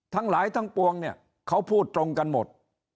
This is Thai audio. ทั้งหลายทั้งปวงเนี่ยเขาพูดตรงกันหมด